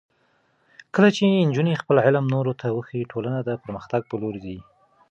کله چې نجونې خپل علم نورو ته وښيي، ټولنه د پرمختګ په لور ځي.